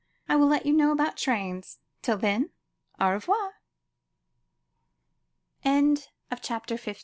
I will let you know, about trains. Till then, au revoir." CHAPTER XVI.